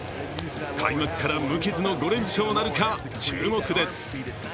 開幕から無傷の５連勝なるか注目です。